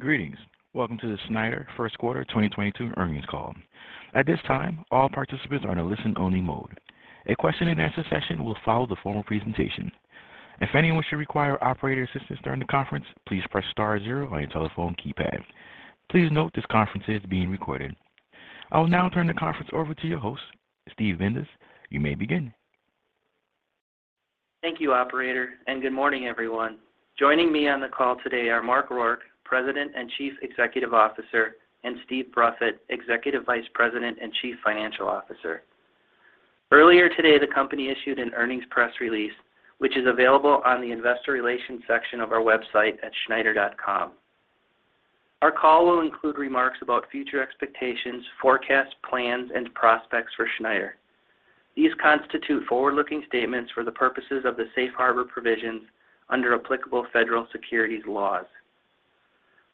Greetings. Welcome to the Schneider First Quarter 2022 Earnings Call. At this time, all participants are in a listen only mode. A question and answer session will follow the formal presentation. If anyone should require operator assistance during the conference, please press star zero on your telephone keypad. Please note this conference is being recorded. I will now turn the conference over to your host, Steve Bindas. You may begin. Thank you, operator, and good morning, everyone. Joining me on the call today are Mark Rourke, President and Chief Executive Officer, and Steve Bruffett, Executive Vice President and Chief Financial Officer. Earlier today, the company issued an earnings press release, which is available on the investor relations section of our website at schneider.com. Our call will include remarks about future expectations, forecasts, plans, and prospects for Schneider. These constitute forward-looking statements for the purposes of the safe harbor provisions under applicable federal securities laws.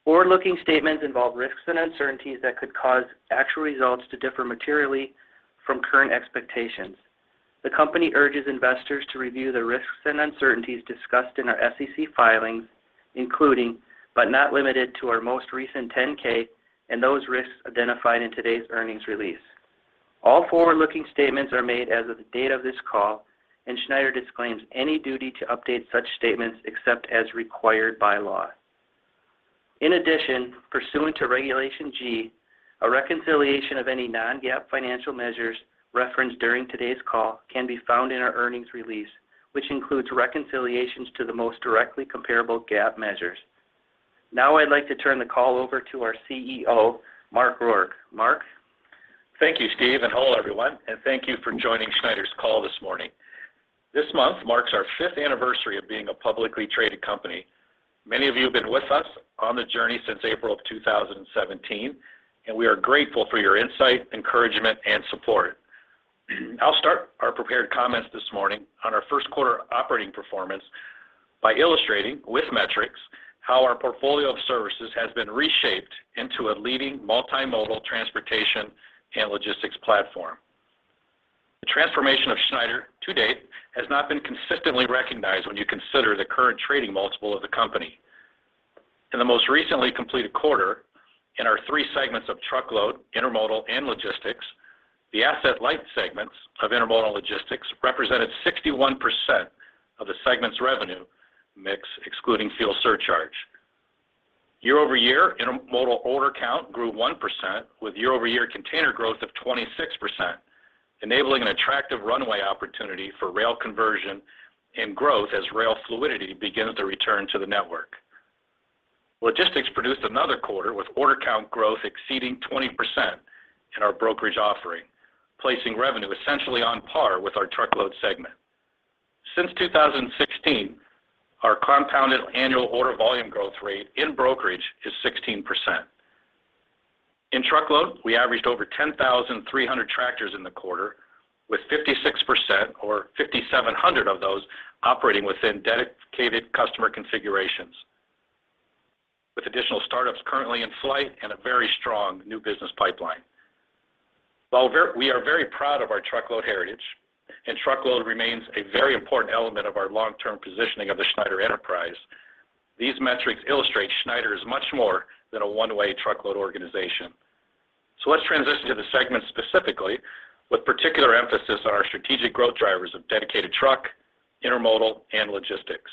Forward-looking statements involve risks and uncertainties that could cause actual results to differ materially from current expectations. The company urges investors to review the risks and uncertainties discussed in our SEC filings, including, but not limited to, our most recent 10-K and those risks identified in today's earnings release. All forward-looking statements are made as of the date of this call, and Schneider disclaims any duty to update such statements except as required by law. In addition, pursuant to Regulation G, a reconciliation of any non-GAAP financial measures referenced during today's call can be found in our earnings release, which includes reconciliations to the most directly comparable GAAP measures. Now I'd like to turn the call over to our CEO, Mark Rourke. Mark? Thank you, Steve, and hello, everyone, and thank you for joining Schneider's call this morning. This month marks our fifth anniversary of being a publicly traded company. Many of you have been with us on the journey since April of 2017, and we are grateful for your insight, encouragement, and support. I'll start our prepared comments this morning on our first quarter operating performance by illustrating with metrics how our portfolio of services has been reshaped into a leading multimodal transportation and logistics platform. The transformation of Schneider to date has not been consistently recognized when you consider the current trading multiple of the company. In the most recently completed quarter in our three segments of truckload, Intermodal, and logistics, the asset light segments of Intermodal logistics represented 61% of the segment's revenue mix, excluding fuel surcharge. Year-over-year, Intermodal order count grew 1% with year-over-year container growth of 26%, enabling an attractive runway opportunity for rail conversion and growth as rail fluidity begins to return to the network. Logistics produced another quarter with order count growth exceeding 20% in our brokerage offering, placing revenue essentially on par with our truckload segment. Since 2016, our compounded annual order volume growth rate in brokerage is 16%. In truckload, we averaged over 10,300 tractors in the quarter with 56% or 5,700 of those operating within dedicated customer configurations with additional startups currently in flight and a very strong new business pipeline. We are very proud of our truckload heritage, and truckload remains a very important element of our long-term positioning of the Schneider enterprise. These metrics illustrate Schneider is much more than a one-way truckload organization. Let's transition to the segment specifically with particular emphasis on our strategic growth drivers of dedicated truck, Intermodal, and logistics.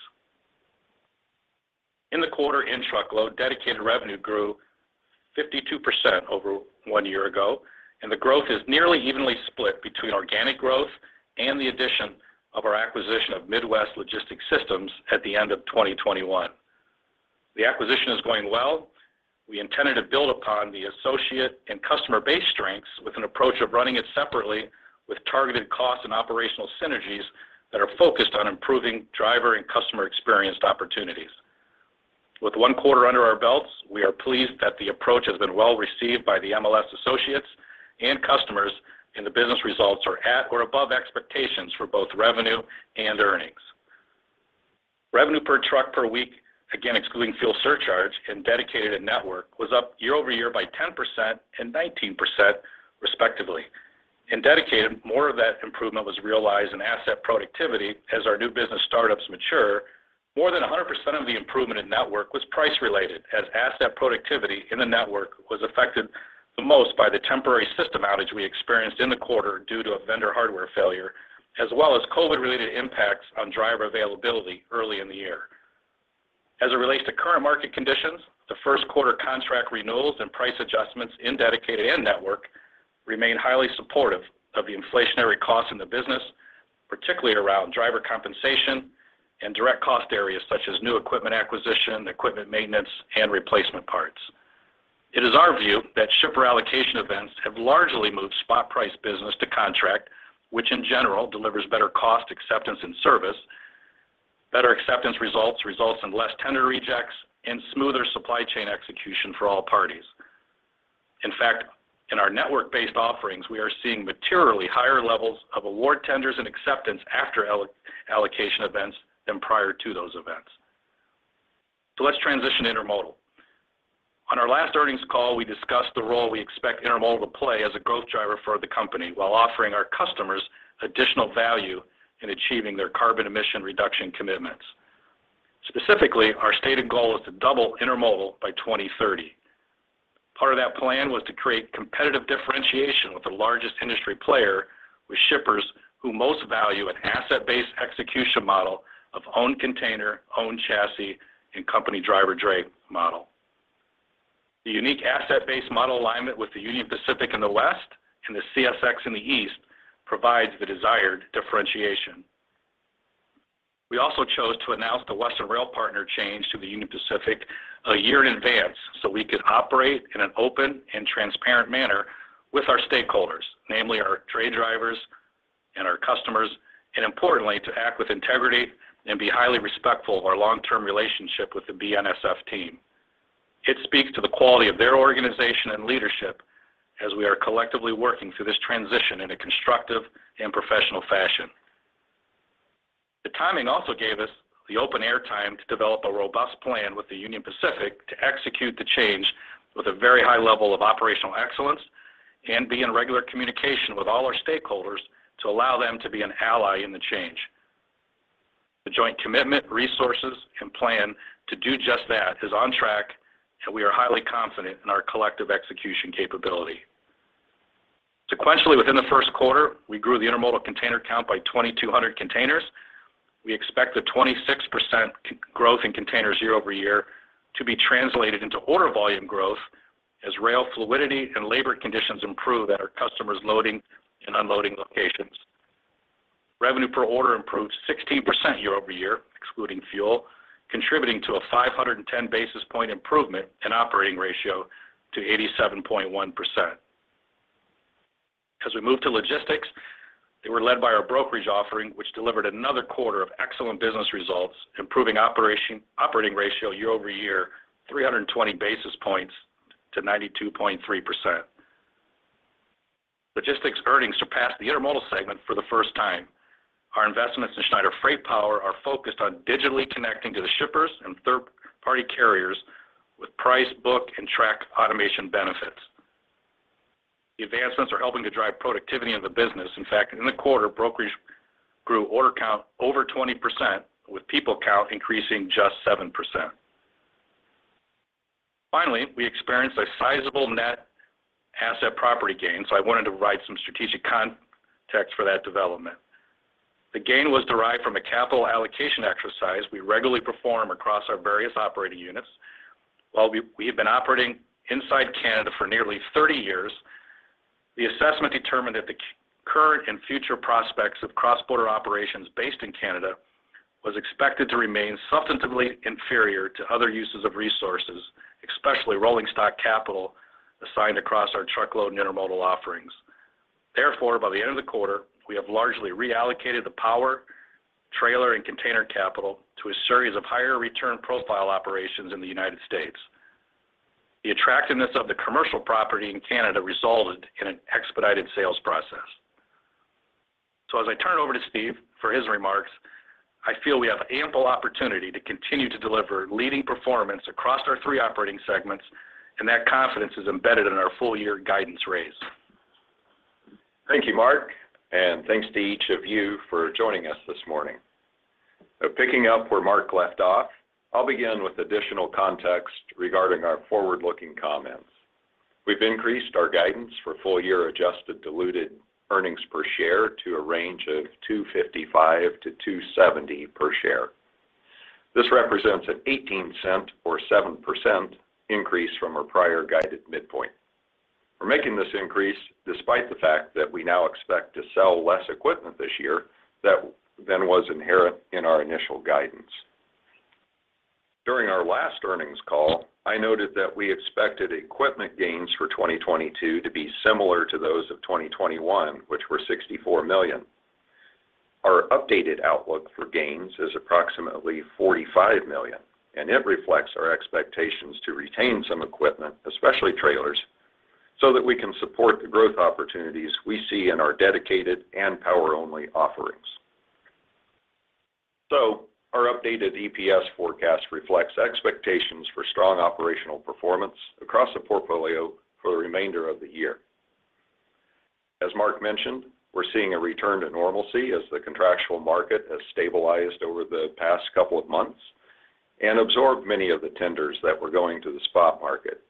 In the quarter in truckload, dedicated revenue grew 52% over one year ago, and the growth is nearly evenly split between organic growth and the addition of our acquisition of Midwest Logistics Systems at the end of 2021. The acquisition is going well. We intended to build upon the associate and customer base strengths with an approach of running it separately with targeted costs and operational synergies that are focused on improving driver and customer experience opportunities. With one quarter under our belts, we are pleased that the approach has been well received by the MLS associates and customers, and the business results are at or above expectations for both revenue and earnings. Revenue per truck per week, again excluding fuel surcharge in Dedicated and Network, was up year-over-year by 10% and 19%, respectively. In Dedicated, more of that improvement was realized in asset productivity as our new business startups mature. More than 100% of the improvement in Network was price-related as asset productivity in the Network was affected the most by the temporary system outage we experienced in the quarter due to a vendor hardware failure, as well as COVID-related impacts on driver availability early in the year. As it relates to current market conditions, the first quarter contract renewals and price adjustments in Dedicated and Network remain highly supportive of the inflationary costs in the business, particularly around driver compensation and direct cost areas such as new equipment acquisition, equipment maintenance, and replacement parts. It is our view that shipper allocation events have largely moved spot price business to contract, which in general delivers better cost acceptance and service. Better acceptance results in less tender rejects and smoother supply chain execution for all parties. In fact, in our network-based offerings, we are seeing materially higher levels of award tenders and acceptance after allocation events than prior to those events. Let's transition to Intermodal. Last earnings call, we discussed the role we expect Intermodal to play as a growth driver for the company while offering our customers additional value in achieving their carbon emission reduction commitments. Specifically, our stated goal is to double Intermodal by 2030. Part of that plan was to create competitive differentiation with the largest industry player, with shippers who most value an asset-based execution model of owned container, owned chassis, and company driver dray model. The unique asset-based model alignment with the Union Pacific in the West and the CSX in the East provides the desired differentiation. We also chose to announce the Western Rail partner change to the Union Pacific a year in advance so we could operate in an open and transparent manner with our stakeholders, namely our dray drivers and our customers, and importantly, to act with integrity and be highly respectful of our long-term relationship with the BNSF team. It speaks to the quality of their organization and leadership as we are collectively working through this transition in a constructive and professional fashion. The timing also gave us the open air time to develop a robust plan with the Union Pacific to execute the change with a very high level of operational excellence and be in regular communication with all our stakeholders to allow them to be an ally in the change. The joint commitment, resources, and plan to do just that is on track, and we are highly confident in our collective execution capability. Sequentially within the first quarter, we grew the Intermodal container count by 2,200 containers. We expect the 26% growth in containers year-over-year to be translated into order volume growth as rail fluidity and labor conditions improve at our customers' loading and unloading locations. Revenue per order improved 16% year-over-year, excluding fuel, contributing to a 510 basis point improvement in operating ratio to 87.1%. As we move to logistics, they were led by our brokerage offering, which delivered another quarter of excellent business results, improving operating ratio year-over-year, 320 basis points to 92.3%. Logistics earnings surpassed the Intermodal segment for the first time. Our investments in Schneider FreightPower are focused on digitally connecting to the shippers and third-party carriers with price, book, and track automation benefits. The advancements are helping to drive productivity in the business. In fact, in the quarter, brokerage grew order count over 20%, with people count increasing just 7%. Finally, we experienced a sizable net asset property gain, so I wanted to provide some strategic context for that development. The gain was derived from a capital allocation exercise we regularly perform across our various operating units. While we have been operating inside Canada for nearly 30 years, the assessment determined that the current and future prospects of cross-border operations based in Canada was expected to remain substantively inferior to other uses of resources, especially rolling stock capital assigned across our truckload and Intermodal offerings. Therefore, by the end of the quarter, we have largely reallocated the power, trailer, and container capital to a series of higher return profile operations in the United States. The attractiveness of the commercial property in Canada resulted in an expedited sales process. As I turn it over to Steve for his remarks, I feel we have ample opportunity to continue to deliver leading performance across our three operating segments, and that confidence is embedded in our full-year guidance raise. Thank you, Mark, and thanks to each of you for joining us this morning. Picking up where Mark left off, I'll begin with additional context regarding our forward-looking comments. We've increased our guidance for full-year adjusted diluted earnings per share to a range of $2.55-$2.70 per share. This represents a $0.18 or 7% increase from our prior guided midpoint. We're making this increase despite the fact that we now expect to sell less equipment this year than was inherent in our initial guidance. During our last earnings call, I noted that we expected equipment gains for 2022 to be similar to those of 2021, which were $64 million. Our updated outlook for gains is approximately $45 million, and it reflects our expectations to retain some equipment, especially trailers, so that we can support the growth opportunities we see in our Dedicated and Power-Only offerings. Our updated EPS forecast reflects expectations for strong operational performance across the portfolio for the remainder of the year. As Mark mentioned, we're seeing a return to normalcy as the contractual market has stabilized over the past couple of months and absorbed many of the tenders that were going to the spot market.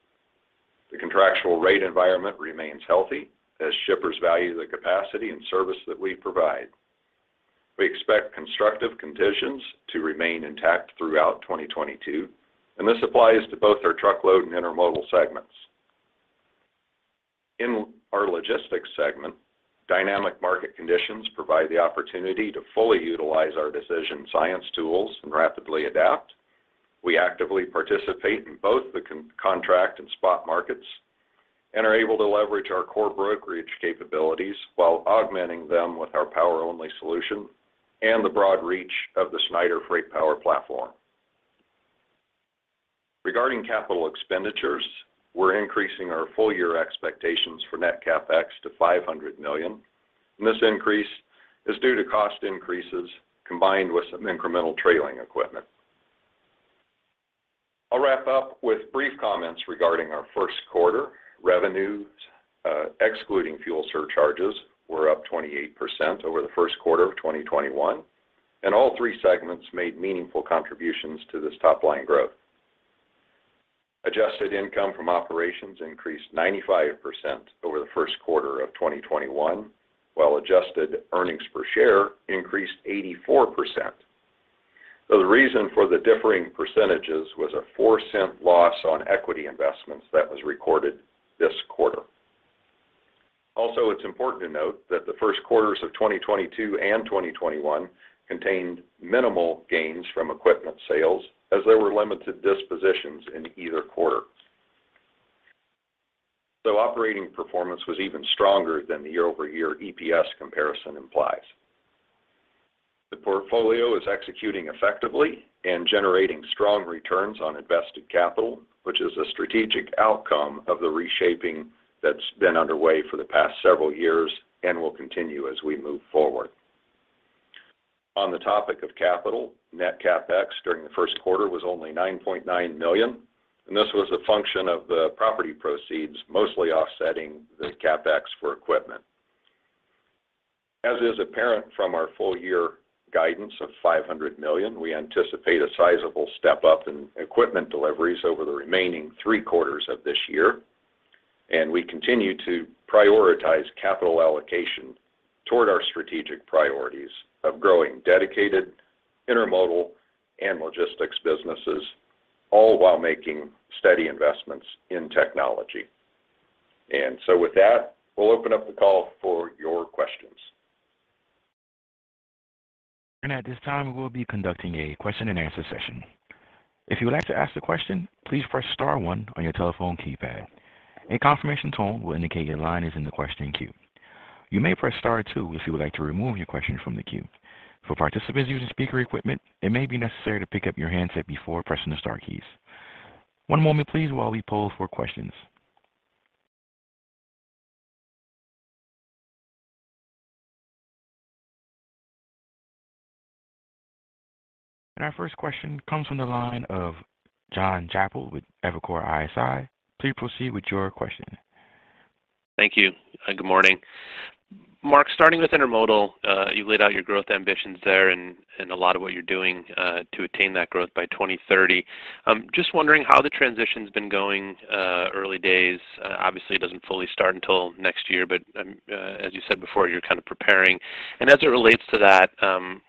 The contractual rate environment remains healthy as shippers value the capacity and service that we provide. We expect constructive conditions to remain intact throughout 2022, and this applies to both our Truckload and Intermodal segments. In our Logistics segment, dynamic market conditions provide the opportunity to fully utilize our decision science tools and rapidly adapt. We actively participate in both the contract and spot markets and are able to leverage our core brokerage capabilities while augmenting them with our Power-Only solution and the broad reach of the Schneider FreightPower platform. Regarding capital expenditures, we're increasing our full-year expectations for net CapEx to $500 million. This increase is due to cost increases combined with some incremental trailer equipment. I'll wrap up with brief comments regarding our first quarter revenues. Excluding fuel surcharges were up 28% over the first quarter of 2021, and all three segments made meaningful contributions to this top line growth. Adjusted income from operations increased 95% over the first quarter of 2021, while adjusted earnings per share increased 84%. The reason for the differing percentages was a $0.04 loss on equity investments that was recorded this quarter. Also, it's important to note that the first quarters of 2022 and 2021 contained minimal gains from equipment sales as there were limited dispositions in either quarter. Operating performance was even stronger than the year-over-year EPS comparison implies. The portfolio is executing effectively and generating strong returns on invested capital, which is a strategic outcome of the reshaping that's been underway for the past several years and will continue as we move forward. On the topic of capital, net CapEx during the first quarter was only $9.9 million, and this was a function of the property proceeds, mostly offsetting the CapEx for equipment. As is apparent from our full year guidance of $500 million, we anticipate a sizable step up in equipment deliveries over the remaining three quarters of this year, and we continue to prioritize capital allocation toward our strategic priorities of growing Dedicated, Intermodal, and Logistics businesses, all while making steady investments in technology. With that, we'll open up the call for your questions. At this time, we'll be conducting a question and answer session. If you would like to ask a question, please press star one on your telephone keypad. A confirmation tone will indicate your line is in the question queue. You may press star two if you would like to remove your question from the queue. For participants using speaker equipment, it may be necessary to pick up your handset before pressing the star keys. One moment please while we poll for questions. Our first question comes from the line of Jonathan Chappell with Evercore ISI. Please proceed with your question. Thank you, and good morning. Mark, starting with Intermodal, you laid out your growth ambitions there and a lot of what you're doing to attain that growth by 2030. Just wondering how the transition's been going, early days. Obviously it doesn't fully start until next year, but as you said before, you're kind of preparing. As it relates to that,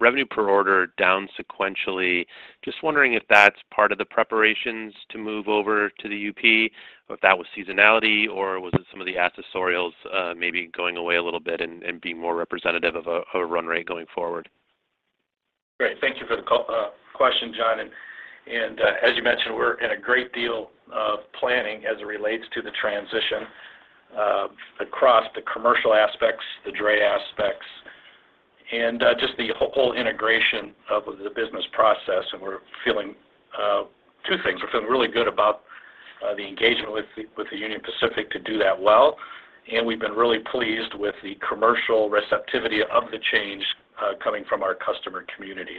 revenue per order down sequentially, just wondering if that's part of the preparations to move over to the UP, or if that was seasonality, or was it some of the accessorials maybe going away a little bit and being more representative of a run rate going forward? Great. Thank you for the question, John. As you mentioned, we're in a great deal of planning as it relates to the transition, across the commercial aspects, the dray aspects, and just the whole integration of the business process. We're feeling two things. We're feeling really good about the engagement with the Union Pacific to do that well, and we've been really pleased with the commercial receptivity of the change, coming from our customer community.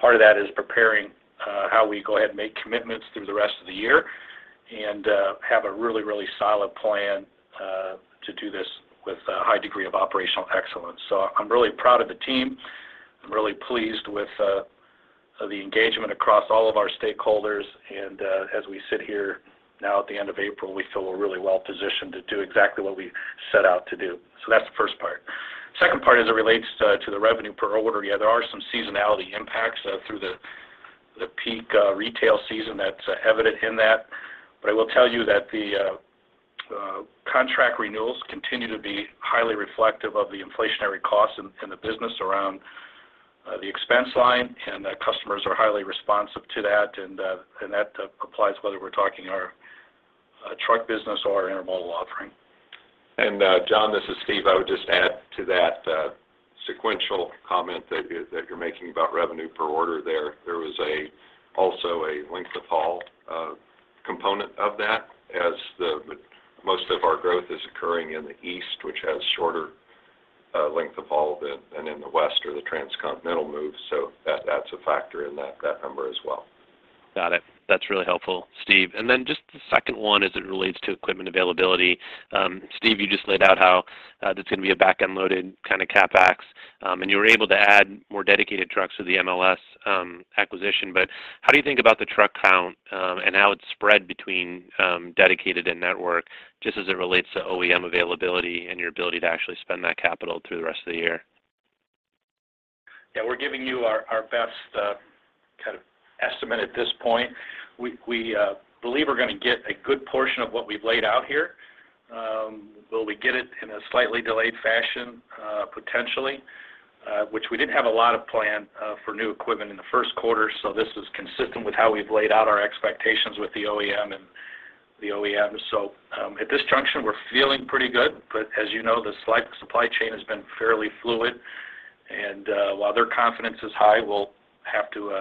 Part of that is preparing how we go ahead and make commitments through the rest of the year and have a really solid plan to do this with a high degree of operational excellence. I'm really proud of the team. I'm really pleased with the engagement across all of our stakeholders. As we sit here now at the end of April, we feel we're really well positioned to do exactly what we set out to do. That's the first part. Second part as it relates to the revenue per order. Yeah, there are some seasonality impacts through the peak retail season that's evident in that. But I will tell you that the contract renewals continue to be highly reflective of the inflationary costs in the business around the expense line, and customers are highly responsive to that, and that applies whether we're talking our truck business or Intermodal offering. John, this is Steve. I would just add to that sequential comment that you're making about revenue per order there. There was also a length of haul component of that as most of our growth is occurring in the East, which has shorter length of haul than in the West or the transcontinental move. That's a factor in that number as well. Got it. That's really helpful, Steve. Just the second one as it relates to equipment availability. Steve, you just laid out how that's gonna be a back-end loaded kind of CapEx, and you were able to add more dedicated trucks with the MLS acquisition. How do you think about the truck count, and how it's spread between dedicated and network just as it relates to OEM availability and your ability to actually spend that capital through the rest of the year? Yeah. We're giving you our best kind of estimate at this point. We believe we're gonna get a good portion of what we've laid out here. Will we get it in a slightly delayed fashion? Potentially, which we didn't have a lot of planning for new equipment in the first quarter, so this was consistent with how we've laid out our expectations with the OEM and the OEMs. At this juncture, we're feeling pretty good, but as you know, the supply chain has been fairly fluid. While their confidence is high, we'll have to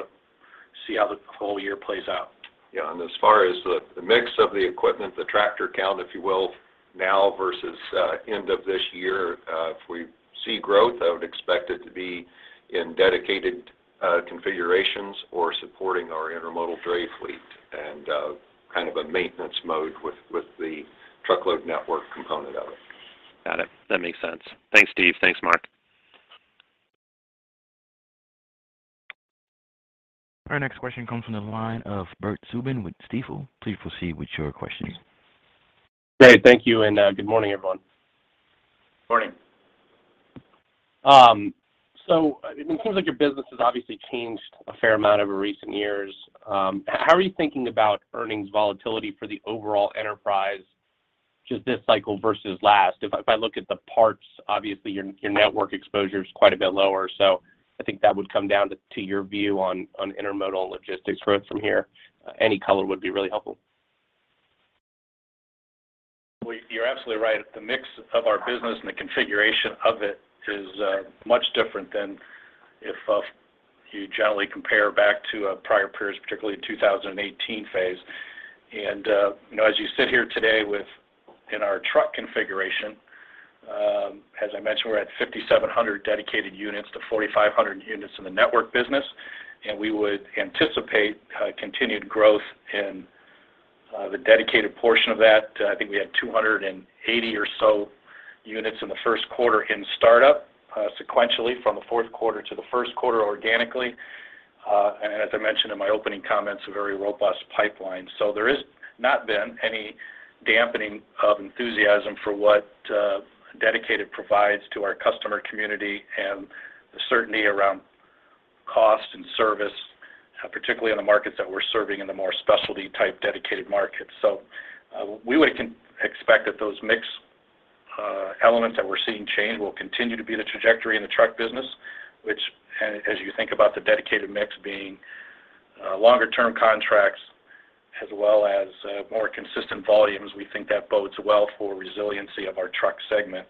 see how the whole year plays out. Yeah. As far as the mix of the equipment, the tractor count, if you will, now versus end of this year, if we see growth, I would expect it to be in Dedicated configurations or supporting our Intermodal dray fleet and kind of a maintenance mode with the truckload Network component of it. Got it. That makes sense. Thanks, Steve. Thanks, Mark. Our next question comes from the line of Bert Subin with Stifel. Please proceed with your question. Great. Thank you, and good morning, everyone. Morning. It seems like your business has obviously changed a fair amount over recent years. How are you thinking about earnings volatility for the overall enterprise just this cycle versus last? If I look at the parts, obviously your network exposure is quite a bit lower, so I think that would come down to your view on Intermodal logistics growth from here. Any color would be really helpful. Well, you're absolutely right. The mix of our business and the configuration of it is much different than if you generally compare back to prior periods, particularly in 2018 pace. You know, as you sit here today within our truck configuration, as I mentioned, we're at 5,700 Dedicated units to 4,500 units in the Network business, and we would anticipate continued growth in the Dedicated portion of that. I think we had 280 or so units in the first quarter in startup, sequentially from the fourth quarter to the first quarter organically. As I mentioned in my opening comments, a very robust pipeline. There has not been any dampening of enthusiasm for what Dedicated provides to our customer community and the certainty around cost and service, particularly in the markets that we're serving in the more specialty type Dedicated markets. We would expect that those mix elements that we're seeing change will continue to be the trajectory in the truck business, which as you think about the Dedicated mix being longer term contracts as well as more consistent volumes, we think that bodes well for resiliency of our truck segment.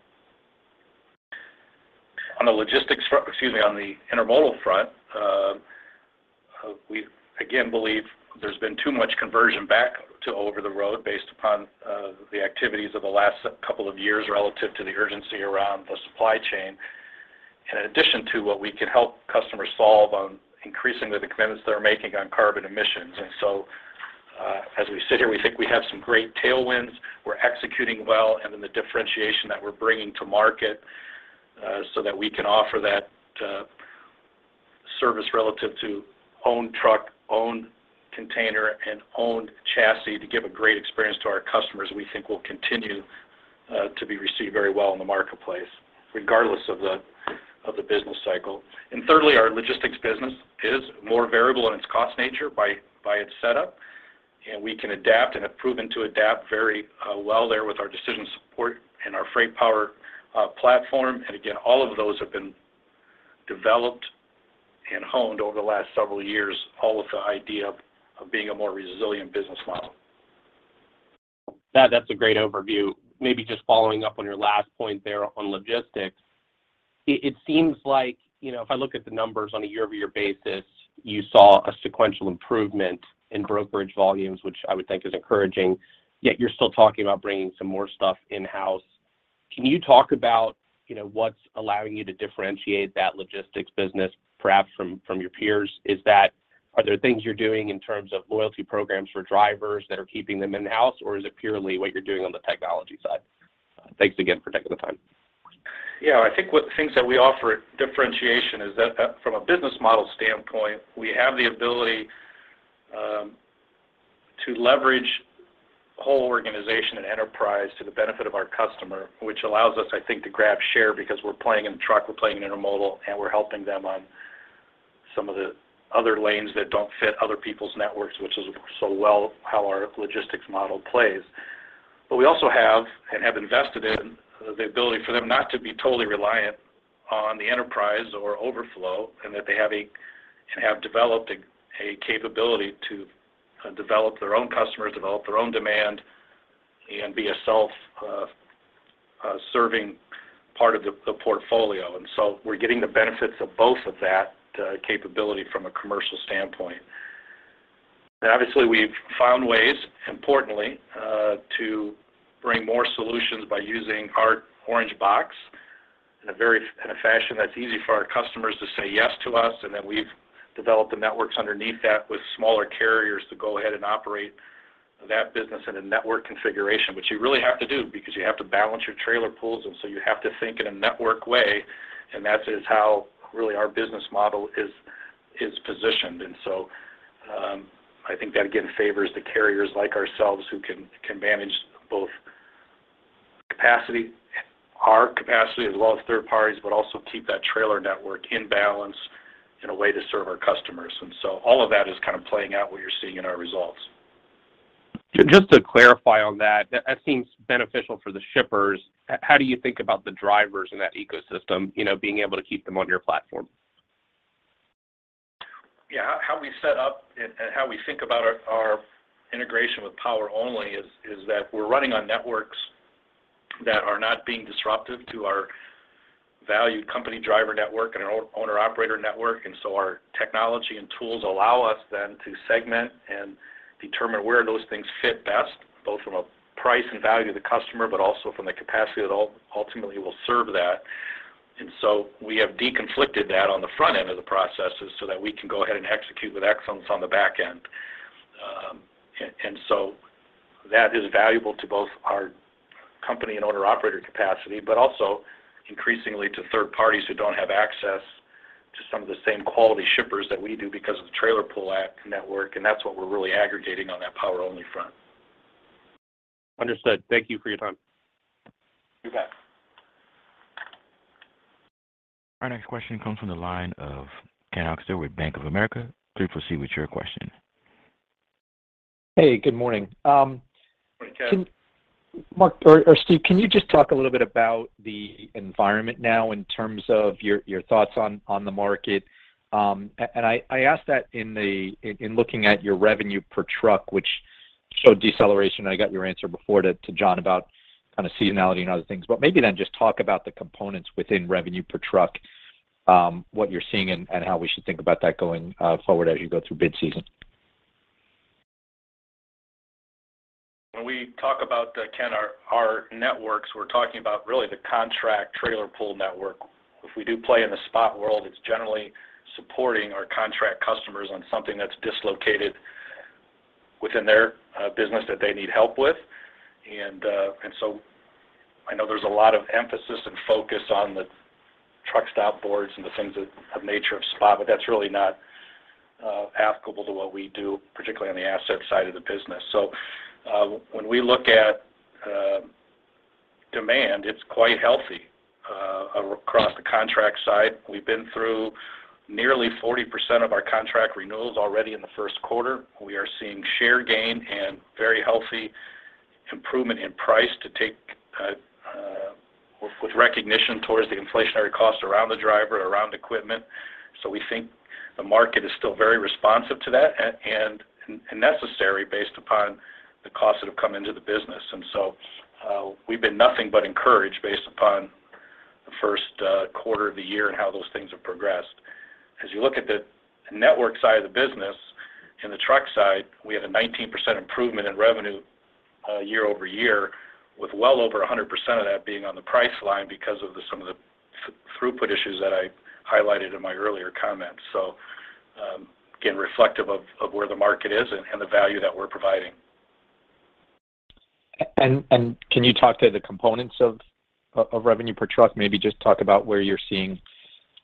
On the Intermodal front, we again believe there's been too much conversion back to over the road based upon the activities of the last couple of years relative to the urgency around the supply chain. In addition to what we can help customers solve on increasingly the commitments they're making on carbon emissions. As we sit here, we think we have some great tailwinds, we're executing well, and then the differentiation that we're bringing to market, so that we can offer that service relative to owned truck, owned container, and owned chassis to give a great experience to our customers, we think will continue to be received very well in the marketplace, regardless of the business cycle. Thirdly, our Logistics business is more variable in its cost nature by its setup. We can adapt and have proven to adapt very well there with our decision support and our FreightPower platform. all of those have been developed and honed over the last several years, all with the idea of being a more resilient business model. That's a great overview. Maybe just following up on your last point there on Logistics. It seems like, you know, if I look at the numbers on a year-over-year basis, you saw a sequential improvement in brokerage volumes, which I would think is encouraging. Yet, you're still talking about bringing some more stuff in-house. Can you talk about, you know, what's allowing you to differentiate that Logistics business perhaps from your peers? Are there things you're doing in terms of loyalty programs for drivers that are keeping them in-house, or is it purely what you're doing on the technology side? Thanks again for taking the time. I think one of the things that we offer as a differentiation is that, from a business model standpoint, we have the ability to leverage the whole organization and enterprise to the benefit of our customer, which allows us, I think, to grab share because we're playing in truck, we're playing Intermodal, and we're helping them on some of the other lanes that don't fit other people's networks, which is so well how our logistics model plays. But we also have invested in the ability for them not to be totally reliant on the enterprise or overflow, and that they have developed a capability to develop their own customers, develop their own demand, and be a self-serving part of the portfolio. We're getting the benefits of both of that capability from a commercial standpoint. Obviously, we've found ways, importantly, to bring more solutions by using our Orange Box in a fashion that's easy for our customers to say yes to us. We've developed the networks underneath that with smaller carriers to go ahead and operate that business in a network configuration, which you really have to do because you have to balance your trailer pools, and so you have to think in a network way, and that is how really our business model is positioned. I think that, again, favors the carriers like ourselves who can manage both capacity, our capacity as well as third parties, but also keep that trailer network in balance in a way to serve our customers. All of that is kind of playing out what you're seeing in our results. Just to clarify on that seems beneficial for the shippers. How do you think about the drivers in that ecosystem, you know, being able to keep them on your platform? Yeah. How we set up and how we think about our integration with Power Only is that we're running on networks that are not being disruptive to our valued company driver network and our owner-operator network. Our technology and tools allow us then to segment and determine where those things fit best, both from a price and value to the customer, but also from the capacity that ultimately will serve that. We have de-conflicted that on the front end of the processes so that we can go ahead and execute with excellence on the back end. That is valuable to both our company and owner operator capacity, but also increasingly to third parties who don't have access to some of the same quality shippers that we do because of the trailer pool and Network, and that's what we're really aggregating on that Power Only front. Understood. Thank you for your time. You bet. Our next question comes from the line of Ken Hoexter with Bank of America. Please proceed with your question. Hey, good morning. Good morning, Ken. Mark or Steve, can you just talk a little bit about the environment now in terms of your thoughts on the market? I ask that in looking at your revenue per truck, which showed deceleration. I got your answer before to John about kind of seasonality and other things, but maybe then just talk about the components within revenue per truck, what you're seeing and how we should think about that going forward as you go through bid season. When we talk about Ken, our networks, we're talking about really the contract trailer pool network. If we do play in the spot world, it's generally supporting our contract customers on something that's dislocated within their business that they need help with. I know there's a lot of emphasis and focus on the truck stop boards and the things that have nature of spot, but that's really not applicable to what we do, particularly on the asset side of the business. When we look at demand, it's quite healthy across the contract side. We've been through nearly 40% of our contract renewals already in the first quarter. We are seeing share gain and very healthy improvement in price to take with recognition towards the inflationary cost around the driver, around equipment. We think the market is still very responsive to that and necessary based upon the costs that have come into the business. We've been nothing but encouraged based upon the first quarter of the year and how those things have progressed. As you look at the Network side of the business, in the truck side, we have a 19% improvement in revenue year-over-year, with well over 100% of that being on the price line because of some of the throughput issues that I highlighted in my earlier comments. Again, reflective of where the market is and the value that we're providing. Can you talk to the components of revenue per truck? Maybe just talk about where you're seeing,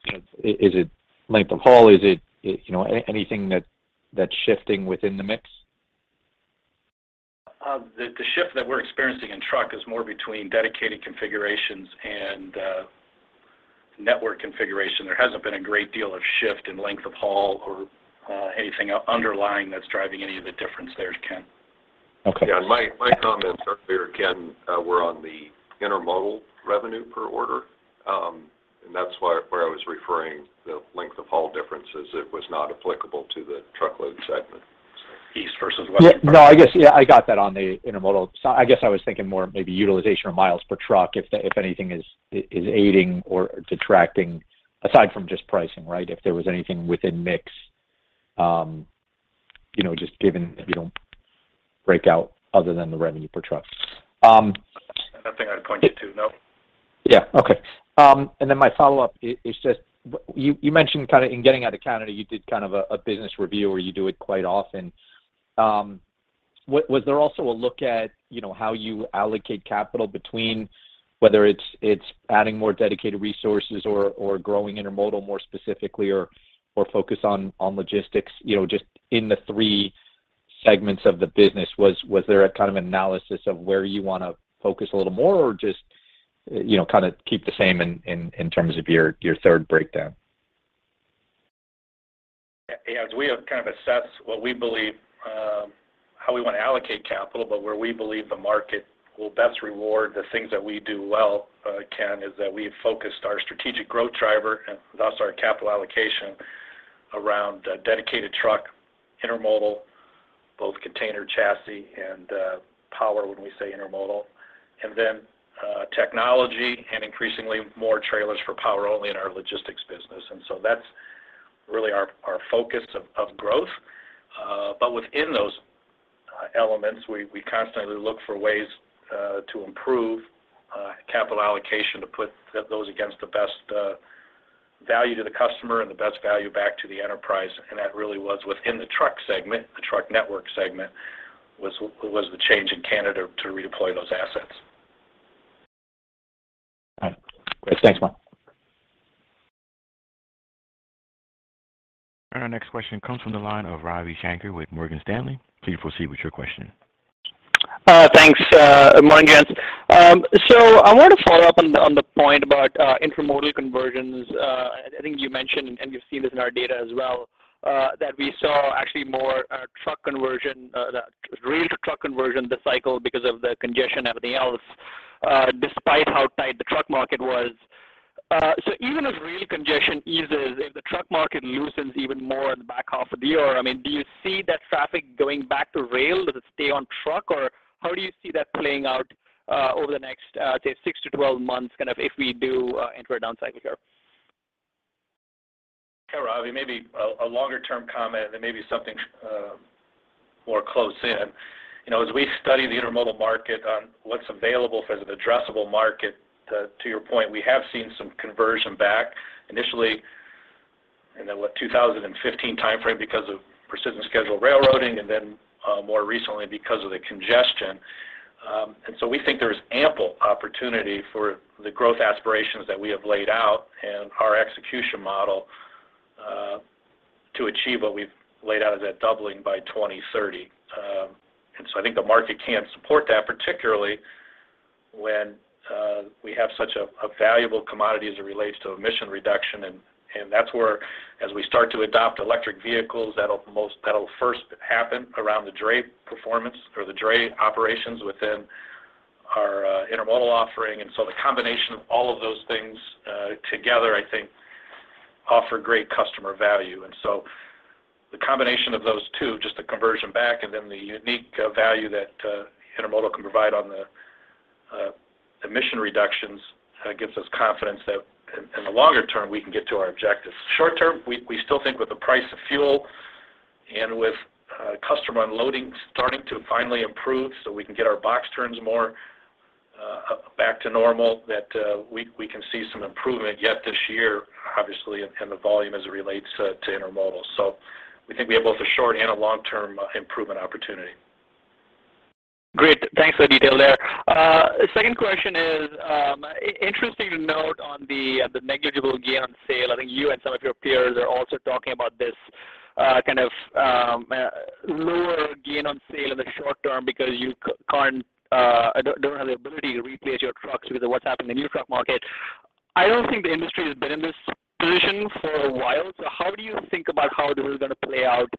you know, is it length of haul? Is it, you know, anything that's shifting within the mix? The shift that we're experiencing in truck is more between Dedicated configurations and Network configuration. There hasn't been a great deal of shift in length of haul or anything underlying that's driving any of the difference there, Ken. Okay. Yeah. My comments are clear, Ken. We're on the Intermodal revenue per order, and that's why, where I was referring to the length of haul differences. It was not applicable to the truckload segment. East versus west. Yeah. No, I guess, yeah, I got that on the Intermodal. I guess I was thinking more maybe utilization or miles per truck if anything is aiding or detracting aside from just pricing, right? If there was anything within mix, you know, just given you don't break out other than the revenue per truck. Nothing I'd point you to. No. Yeah. Okay. My follow-up is just what you mentioned kind of in getting out of Canada. You did kind of a business review, or you do it quite often. Was there also a look at, you know, how you allocate capital between whether it's adding more dedicated resources or growing Intermodal more specifically or focus on Logistics, you know, just in the three segments of the business? Was there a kind of analysis of where you wanna focus a little more or just, you know, kinda keep the same in terms of your third breakdown? Yeah. As we have kind of assessed what we believe, how we wanna allocate capital, but where we believe the market will best reward the things that we do well, Ken, is that we have focused our strategic growth driver and thus our capital allocation around Dedicated truck, Intermodal, both container chassis and power, when we say Intermodal, and then technology and increasingly more trailers for power only in our Logistics business. That's really our focus of growth. Within those elements, we constantly look for ways to improve capital allocation to put those against the best value to the customer and the best value back to the enterprise. That really was within the truck segment. The truck network segment was the change in Canada to redeploy those assets. All right. Thanks, Mark. Our next question comes from the line of Ravi Shanker with Morgan Stanley. Please proceed with your question. Thanks. Good morning, gents. I want to follow up on the point about Intermodal conversions. I think you mentioned, and you've seen this in our data as well, that we saw actually more truck conversion that rail to truck conversion this cycle because of the congestion, everything else, despite how tight the truck market was. Even if rail congestion eases, if the truck market loosens even more in the back half of the year, I mean, do you see that traffic going back to rail? Does it stay on truck? Or how do you see that playing out over the next, say, six to12 months, kind of if we do enter a down cycle here? Yeah, Ravi, maybe a longer-term comment, and maybe something more close in. You know, as we study the Intermodal market on what's available for an addressable market, to your point, we have seen some conversion back initially in the 2015 timeframe because of Precision Scheduled Railroading and then more recently because of the congestion. We think there's ample opportunity for the growth aspirations that we have laid out and our execution model to achieve what we've laid out as that doubling by 2030. I think the market can support that, particularly when we have such a valuable commodity as it relates to emission reduction and that's where, as we start to adopt electric vehicles, that'll first happen around the dray performance or the dray operations within our Intermodal offering. The combination of all of those things together, I think offer great customer value. The combination of those two, just the conversion back and then the unique value that Intermodal can provide on the emission reductions gives us confidence that in the longer term, we can get to our objectives. Short-term, we still think with the price of fuel and with customer unloading starting to finally improve so we can get our box turns more back to normal, that we can see some improvement yet this year, obviously, and the volume as it relates to Intermodal. We think we have both a short and a long-term improvement opportunity. Great. Thanks for the detail there. Second question is interesting to note on the negligible gain on sale. I think you and some of your peers are also talking about this kind of lower gain on sale in the short term because you don't have the ability to replace your trucks with what's happened in the new truck market. I don't think the industry has been in this position for a while. How do you think about how this is gonna play out?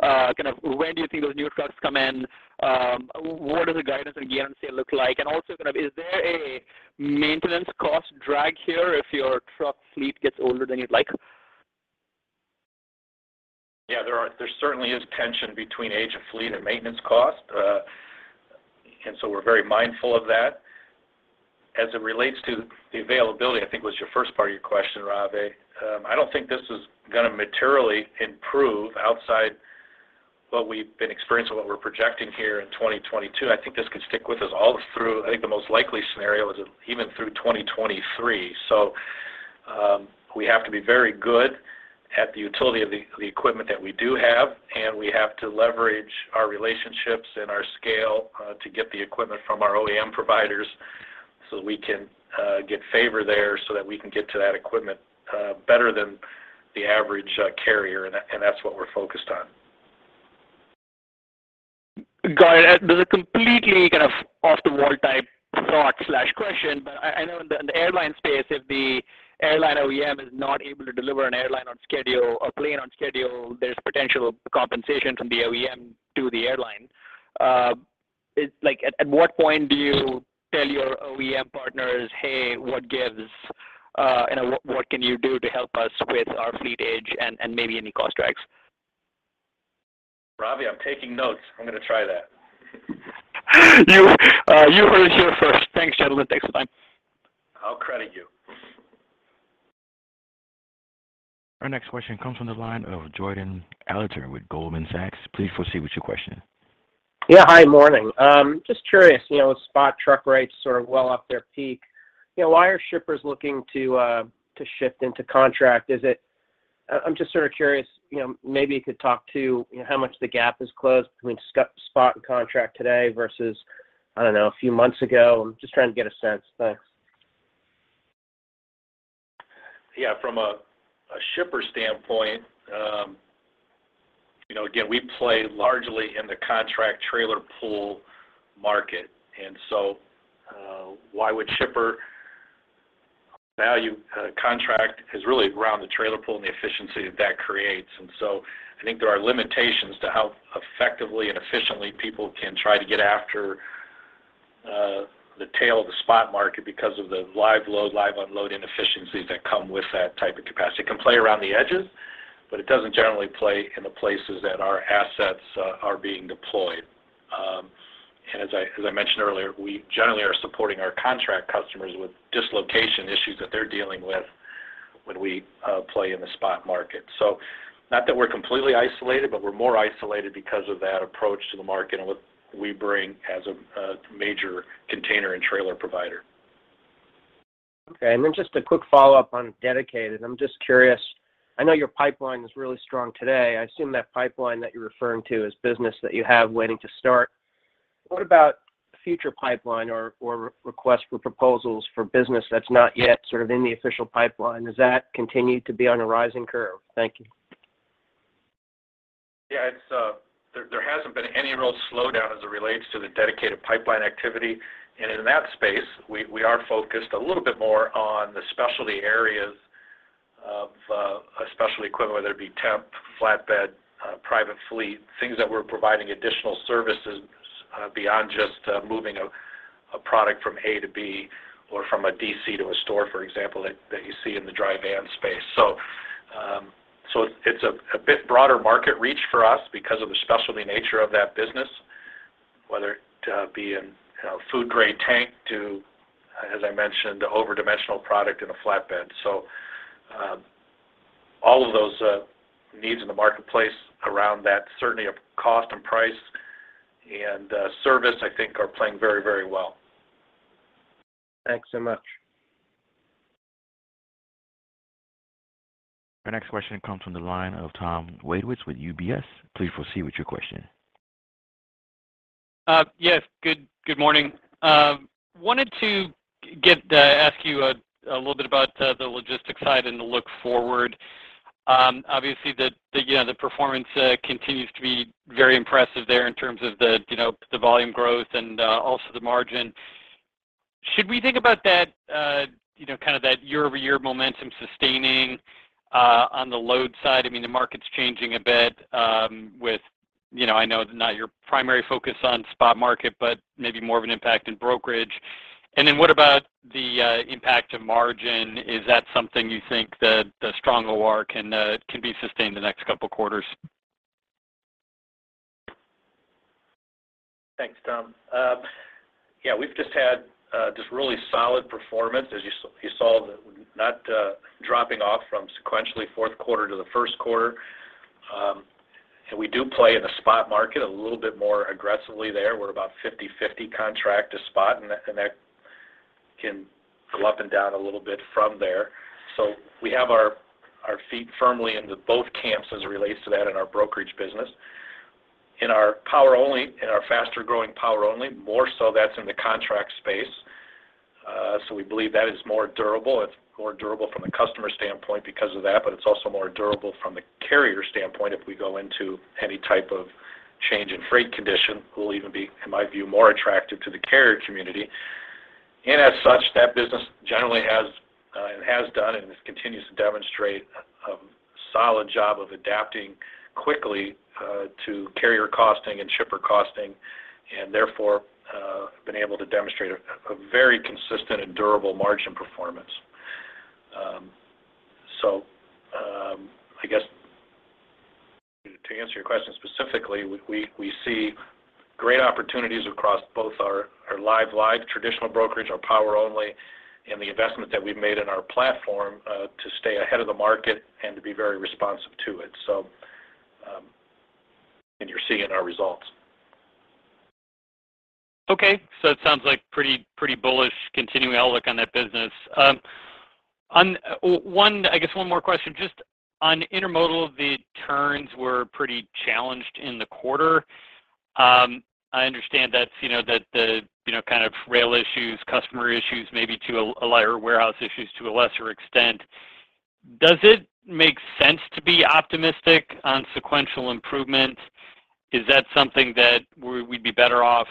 Kind of when do you think those new trucks come in? What does the guidance on gain on sale look like? And also kind of is there a maintenance cost drag here if your truck fleet gets older than you'd like? Yeah, there certainly is tension between age of fleet and maintenance cost. We're very mindful of that. As it relates to the availability, I think was your first part of your question, Ravi, I don't think this is gonna materially improve outside what we've been experiencing, what we're projecting here in 2022. I think this could stick with us all through. I think the most likely scenario is even through 2023. We have to be very good at the utility of the equipment that we do have, and we have to leverage our relationships and our scale to get the equipment from our OEM providers so that we can get favor there, so that we can get to that equipment better than the average carrier. That's what we're focused on. Got it. This is a completely kind of off-the-wall type thought/question, but I know in the airline space, if the airline OEM is not able to deliver an airplane on schedule or plane on schedule, there's potential compensation from the OEM to the airline. So like at what point do you tell your OEM partners, "Hey, what gives? And what can you do to help us with our fleet age and maybe any cost drags?" Ravi, I'm taking notes. I'm gonna try that. You heard it here first. Thanks, Mark. Thanks for your time. I'll credit you. Our next question comes from the line of Jordan Alliger with Goldman Sachs. Please proceed with your question. Yeah, hi. Morning. Just curious, you know, with spot truck rates sort of well off their peak, you know, why are shippers looking to shift into contract? I'm just sort of curious, you know, maybe you could talk to, you know, how much the gap is closed between spot and contract today versus, I don't know, a few months ago. I'm just trying to get a sense. Thanks. Yeah. From a shipper standpoint, you know, again, we play largely in the contract trailer pool market. Why a shipper would value a contract is really around the trailer pool and the efficiency that creates. I think there are limitations to how effectively and efficiently people can try to get after the tail of the spot market because of the live load, live unloading efficiencies that come with that type of capacity. It can play around the edges, but it doesn't generally play in the places that our assets are being deployed. As I mentioned earlier, we generally are supporting our contract customers with dislocation issues that they're dealing with when we play in the spot market. So not that we're completely isolated, but we're more isolated because of that approach to the market and what we bring as a major container and trailer provider. Okay. Just a quick follow-up on Dedicated. I'm just curious. I know your pipeline is really strong today. I assume that pipeline that you're referring to is business that you have waiting to start. What about future pipeline or request for proposals for business that's not yet sort of in the official pipeline? Does that continue to be on a rising curve? Thank you. Yeah. There hasn't been any real slowdown as it relates to the Dedicated pipeline activity. In that space, we are focused a little bit more on the specialty areas, equipment, whether it be temp, flatbed, private fleet, things that we're providing additional services beyond just moving a product from A to B or from a DC to a store, for example, that you see in the dry van space. It's a bit broader market reach for us because of the specialty nature of that business, whether it be in, you know, food-grade tank to, as I mentioned, over-dimensional product in a flatbed. All of those needs in the marketplace around that, certainly cost and price and service, I think are playing very, very well. Thanks so much. Our next question comes from the line of Tom Wadewitz with UBS. Please proceed with your question. Yes. Good morning. Wanted to ask you a little bit about the Logistics side and the outlook. Obviously, you know, the performance continues to be very impressive there in terms of, you know, the volume growth and also the margin. Should we think about that, you know, kind of that year-over-year momentum sustaining on the load side? I mean, the market's changing a bit, with, you know, I know not your primary focus on spot market, but maybe more of an impact in brokerage. Then what about the impact to margin? Is that something you think that the strong OR can be sustained the next couple quarters? Thanks, Tom. Yeah, we've just had really solid performance, as you saw, not dropping off sequentially from fourth quarter to the first quarter. We do play in the spot market a little bit more aggressively there. We're about 50/50 contract to spot, and that can go up and down a little bit from there. We have our feet firmly into both camps as it relates to that in our brokerage business. In our Power Only, our faster-growing Power Only, more so that's in the contract space. We believe that is more durable. It's more durable from a customer standpoint because of that, but it's also more durable from the carrier standpoint if we go into any type of change in freight condition. We'll even be, in my view, more attractive to the carrier community. As such, that business generally has done and continues to demonstrate a solid job of adapting quickly to carrier costing and shipper costing, and therefore been able to demonstrate a very consistent and durable margin performance. I guess to answer your question specifically, we see great opportunities across both our live traditional brokerage, our Power Only, and the investment that we've made in our platform to stay ahead of the market and to be very responsive to it. You're seeing our results. It sounds like pretty bullish continuing outlook on that business. I guess one more question. Just on Intermodal, the turns were pretty challenged in the quarter. I understand that's you know the you know kind of rail issues, customer issues maybe or warehouse issues to a lesser extent. Does it make sense to be optimistic on sequential improvement? Is that something that we'd be better off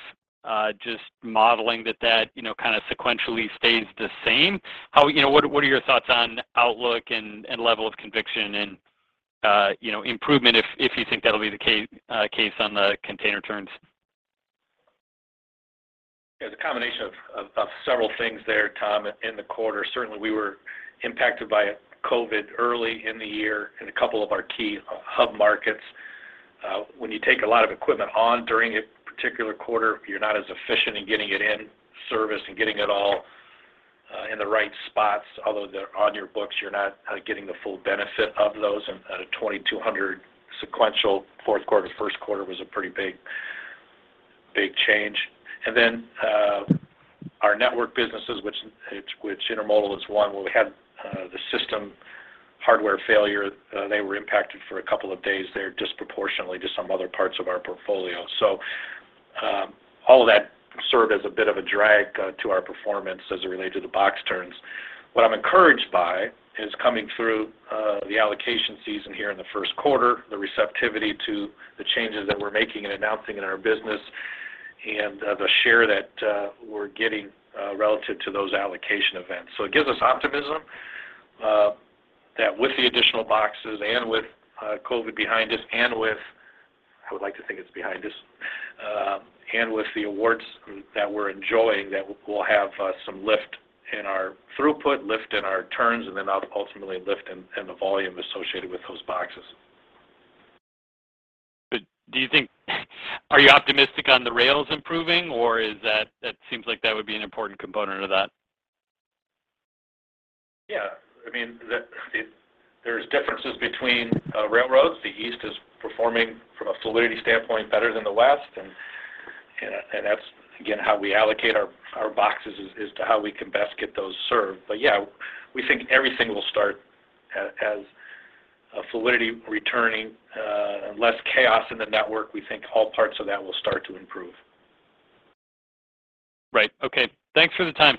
just modeling that, you know, kind of sequentially stays the same? You know what are your thoughts on outlook and level of conviction and, you know, improvement if you think that'll be the case on the container turns? Yeah. It's a combination of several things there, Tom, in the quarter. Certainly, we were impacted by COVID early in the year in a couple of our key hub markets. When you take a lot of equipment on during a particular quarter, you're not as efficient in getting it in service and getting it all in the right spots. Although they're on your books, you're not getting the full benefit of those. At a 2,200 sequential fourth quarter to first quarter was a pretty big change. Then, our network businesses, which Intermodal is one where we had the system hardware failure, they were impacted for a couple of days there disproportionately to some other parts of our portfolio. All of that served as a bit of a drag to our performance as it related to the box turns. What I'm encouraged by is coming through the allocation season here in the first quarter, the receptivity to the changes that we're making and announcing in our business and the share that we're getting relative to those allocation events. It gives us optimism that with the additional boxes and with COVID behind us and with, I would like to think it's behind us, and with the awards that we're enjoying that we'll have some lift in our throughput, lift in our turns, and then ultimately lift in the volume associated with those boxes. Good. Are you optimistic on the rails improving or that seems like that would be an important component of that? Yeah. I mean, there's differences between railroads. The East is performing from a fluidity standpoint better than the West, and that's again how we allocate our boxes as to how we can best get those served. Yeah, we think everything will start as fluidity returning and less chaos in the network. We think all parts of that will start to improve. Right. Okay. Thanks for the time.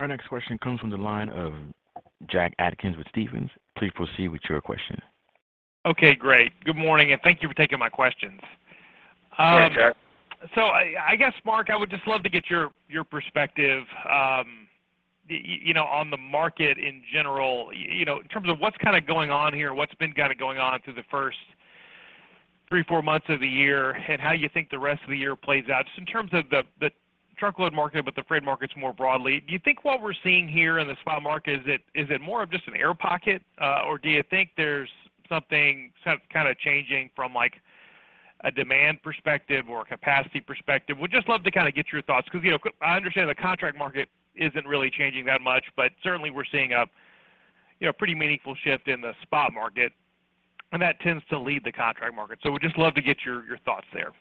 Our next question comes from the line of Jack Atkins with Stephens. Please proceed with your question. Okay. Great. Good morning, and thank you for taking my questions. Sure, Jack. I guess, Mark, I would just love to get your perspective, you know, on the market in general, you know, in terms of what's kinda going on here, what's been kinda going on through the first three, four months of the year, and how you think the rest of the year plays out. Just in terms of the truckload market, but the freight markets more broadly. Do you think what we're seeing here in the spot market, is it more of just an air pocket? Or do you think there's something sort of kinda changing from, like, a demand perspective or capacity perspective? Would just love to kinda get your thoughts 'cause, you know, I understand the contract market isn't really changing that much, but certainly we're seeing a, you know, pretty meaningful shift in the spot market, and that tends to lead the contract market. Would just love to get your thoughts there.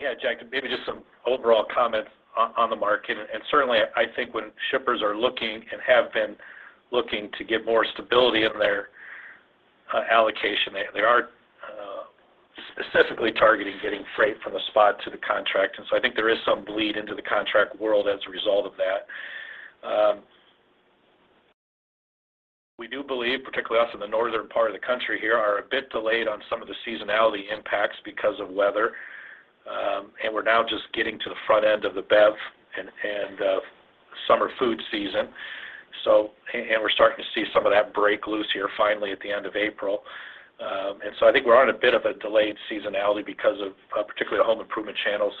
Yeah, Jack, maybe just some overall comments on the market. Certainly I think when shippers are looking and have been looking to get more stability in their allocation, they are specifically targeting getting freight from the spot to the contract. I think there is some bleed into the contract world as a result of that. We do believe, particularly us in the Northern part of the country here, are a bit delayed on some of the seasonality impacts because of weather. We're now just getting to the front end of the Bev and summer food season. We're starting to see some of that break loose here finally at the end of April. I think we're on a bit of a delayed seasonality because of particularly the home improvement channels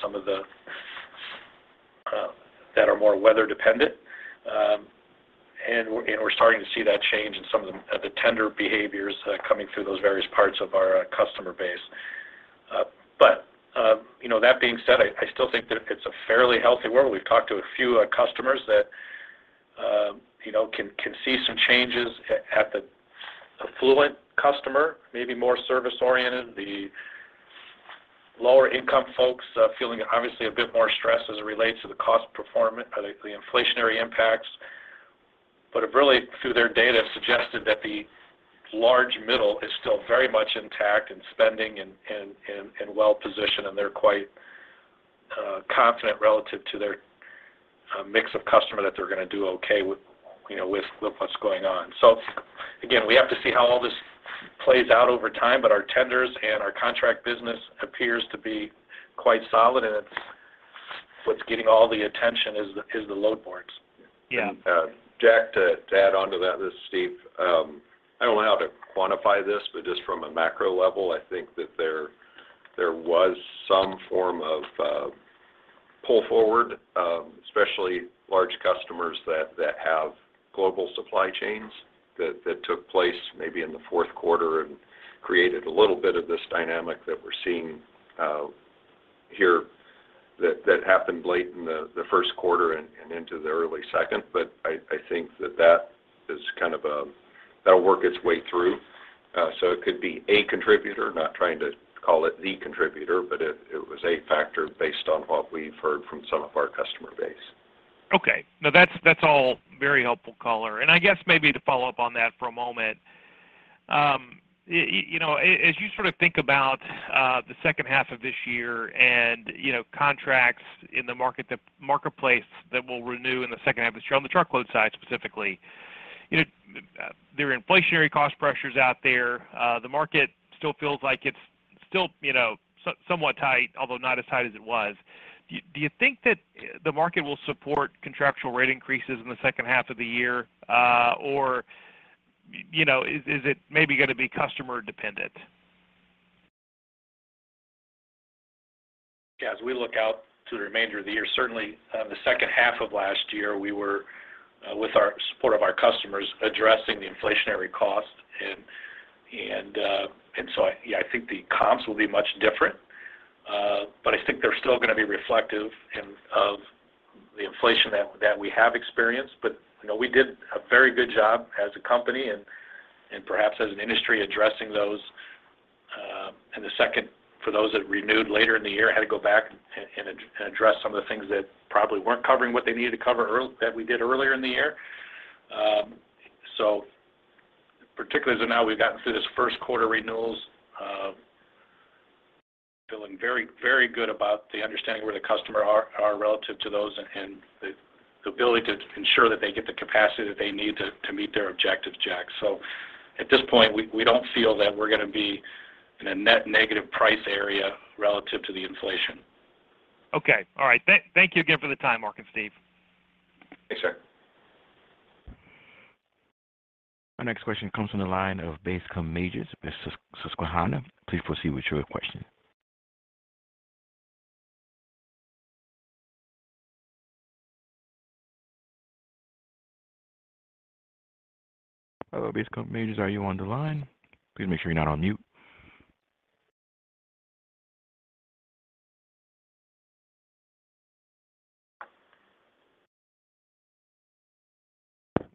that are more weather dependent. We're starting to see that change in some of the tender behaviors coming through those various parts of our customer base. You know, that being said, I still think that it's a fairly healthy world. We've talked to a few customers that you know can see some changes at the affluent customer, maybe more service oriented. The lower income folks feeling obviously a bit more stressed as it relates to the inflationary impacts but have really, through their data, suggested that the large middle is still very much intact in spending and well-positioned, and they're quite confident relative to their mix of customer that they're gonna do okay with, you know, with what's going on. Again, we have to see how all this plays out over time. Our tenders and our contract business appears to be quite solid, and it's what's getting all the attention is the load boards. Yeah. Jack, to add onto that, this is Steve. I don't know how to quantify this, but just from a macro level, I think that there was some form of pull forward, especially large customers that have global supply chains that took place maybe in the fourth quarter and created a little bit of this dynamic that we're seeing here that happened late in the first quarter and into the early second. I think that is kind of. That'll work its way through. It could be a contributor, not trying to call it the contributor, but it was a factor based on what we've heard from some of our customer base. Okay. No, that's all very helpful color. I guess maybe to follow up on that for a moment. You know, as you sort of think about the second half of this year and, you know, contracts in the marketplace that will renew in the second half of this year, on the truckload side specifically. You know, there are inflationary cost pressures out there. The market still feels like it's still, you know, somewhat tight, although not as tight as it was. Do you think that the market will support contractual rate increases in the second half of the year? Or, you know, is it maybe gonna be customer dependent? Yeah, as we look out to the remainder of the year, certainly, the second half of last year, we were with our support of our customers addressing the inflationary cost. I think the comps will be much different. I think they're still gonna be reflective of the inflation that we have experienced. You know, we did a very good job as a company and perhaps as an industry addressing those. For those that renewed later in the year had to go back and address some of the things that probably weren't covering what they needed to cover that we did earlier in the year. Particularly as of now, we've gotten through this first quarter renewals, feeling very, very good about the understanding of where the customers are relative to those and the ability to ensure that they get the capacity that they need to meet their objectives, Jack. At this point, we don't feel that we're gonna be in a net negative price area relative to the inflation. Okay. All right. Thank you again for the time, Mark and Steve. Thanks, sir. Our next question comes from the line of Bascome Majors, Susquehanna. Please proceed with your question. Hello, Bascome Majors, are you on the line? Please make sure you're not on mute.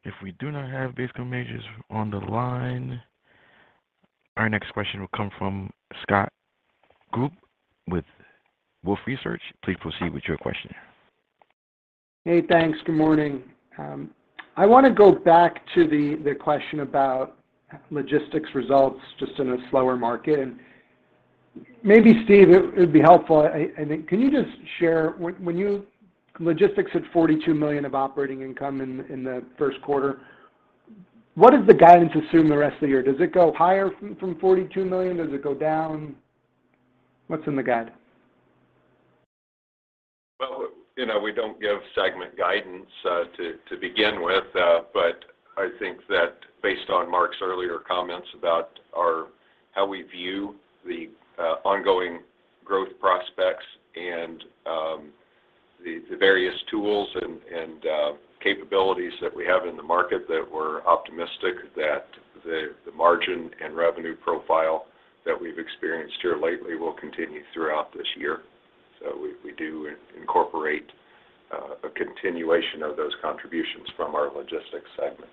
If we do not have Bascome Majors on the line, our next question will come from Scott Group with Wolfe Research. Please proceed with your question. Hey, thanks. Good morning. I wanna go back to the question about Logistics results just in a slower market. Maybe Steve, it would be helpful. I think, can you just share when your logistics at $42 million of operating income in the first quarter? What does the guidance assume the rest of the year? Does it go higher from $42 million? Does it go down? What's in the guide? Well, you know, we don't give segment guidance to begin with. I think that based on Mark's earlier comments about how we view the ongoing growth prospects and the various tools and capabilities that we have in the market that we're optimistic that the margin and revenue profile that we've experienced here lately will continue throughout this year. We do incorporate a continuation of those contributions from our logistics segment.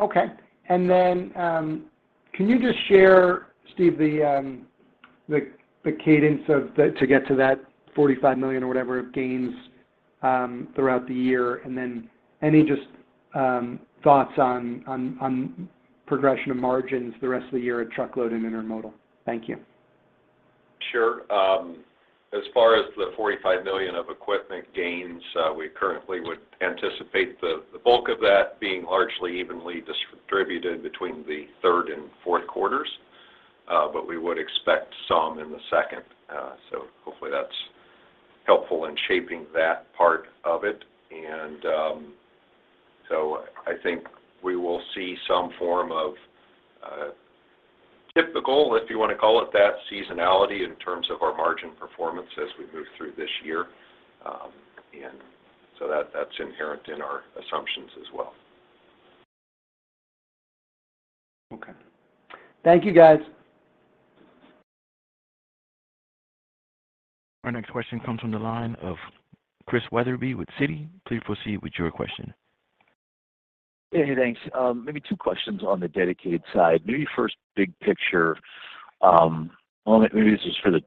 Okay. Then, can you just share, Steve, the cadence to get to that $45 million or whatever of gains throughout the year? Then any just thoughts on progression of margins the rest of the year at Truckload and Intermodal? Thank you. Sure. As far as the $45 million of equipment gains, we currently would anticipate the bulk of that being largely evenly distributed between the third and fourth quarters, but we would expect some in the second. Hopefully that's helpful in shaping that part of it. I think we will see some form of typical, if you wanna call it that, seasonality in terms of our margin performance as we move through this year. That's inherent in our assumptions as well. Okay. Thank you, guys. Our next question comes from the line of Chris Wetherbee with Citi. Please proceed with your question. Hey, thanks. Maybe two questions on the Dedicated side. Maybe first big picture, maybe this is for the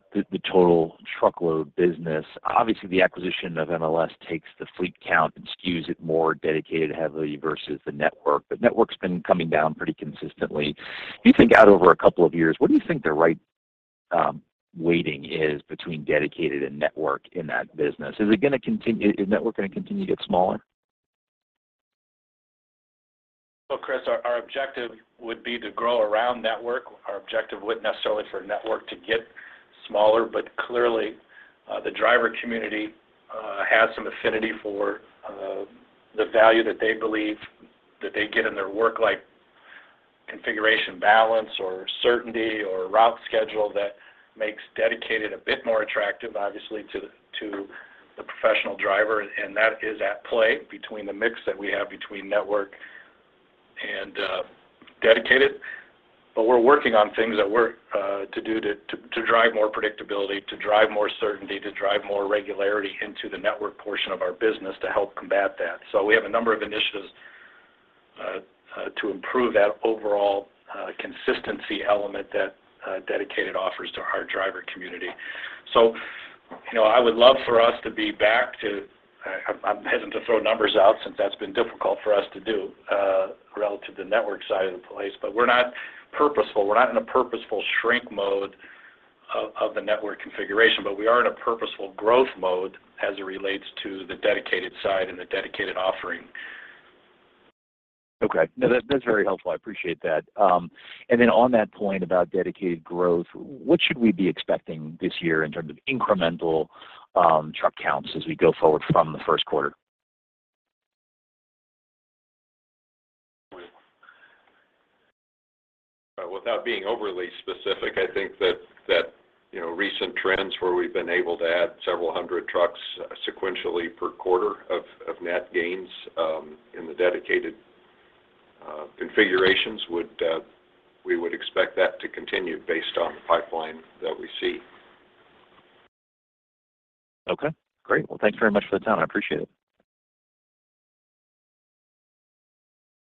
total Truckload business. Obviously, the acquisition of MLS takes the fleet count and skews it more dedicated heavily versus the Network, but Network's been coming down pretty consistently. If you think out over a couple of years, what do you think the right weighting is between Dedicated and Network in that business? Is Network gonna continue to get smaller? Well, Chris, our objective would be to grow around Network. Our objective wouldn't necessarily for Network to get smaller, but clearly, the driver community has some affinity for the value that they believe that they get in their work like configuration balance or certainty or route schedule that makes dedicated a bit more attractive, obviously, to the professional driver. That is at play between the mix that we have between Network and Dedicated. We're working on things that we're to do to drive more predictability, to drive more certainty, to drive more regularity into the Network portion of our business to help combat that. We have a number of initiatives to improve that overall consistency element that Dedicated offers to our driver community. You know, I would love for us to be back. I'm hesitant to throw numbers out since that's been difficult for us to do relative to Network side of the business. We're purposeful. We're not in a purposeful shrink mode of the Network configuration, but we are in a purposeful growth mode as it relates to the Dedicated side and the Dedicated offering. Okay. No, that's very helpful. I appreciate that. On that point about Dedicated growth, what should we be expecting this year in terms of incremental truck counts as we go forward from the first quarter? Without being overly specific, I think that, you know, recent trends where we've been able to add several hundred trucks sequentially per quarter of net gains in the Dedicated configurations, we would expect that to continue based on the pipeline that we see. Okay, great. Well, thanks very much for the time. I appreciate it.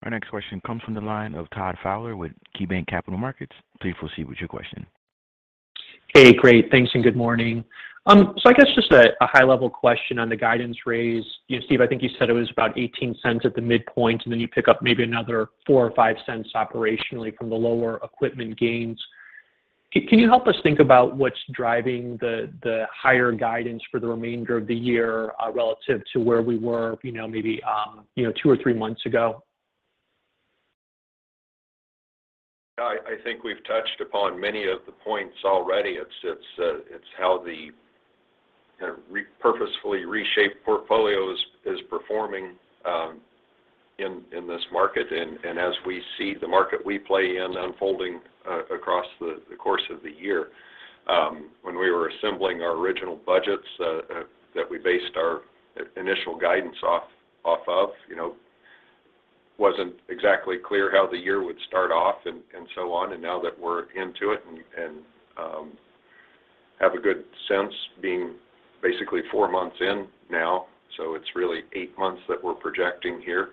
Our next question comes from the line of Todd Fowler with KeyBanc Capital Markets. Please proceed with your question. Hey, great. Thanks, and good morning. I guess just a high-level question on the guidance raise. You know, Steve, I think you said it was about $0.18 at the midpoint, and then you pick up maybe another $0.04 or $0.05 operationally from the lower equipment gains. Can you help us think about what's driving the higher guidance for the remainder of the year relative to where we were, you know, maybe two or three months ago? I think we've touched upon many of the points already. It's how the kind of purposefully reshaped portfolio is performing in this market. As we see the market we play in unfolding across the course of the year, when we were assembling our original budgets, that we based our initial guidance off of, you know, wasn't exactly clear how the year would start off and so on. Now that we're into it and have a good sense being basically four months in now, so it's really eight months that we're projecting here,